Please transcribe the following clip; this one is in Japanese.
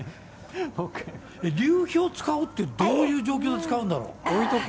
流氷使うってどういう状況で使うんだろう。